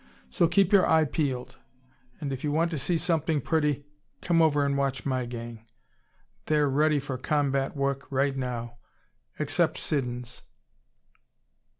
So keep your eye peeled. And if you want to see something pretty, come over and watch my gang. They're ready for combat work right now except Siddons."